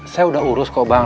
saya udah urus kok bang